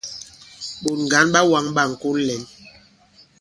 Ɓòt ŋgǎn ɓa wāŋ ɓâŋkon lɛ̂n.